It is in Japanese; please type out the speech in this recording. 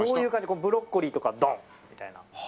ブロッコリーとかドンッ！みたいな。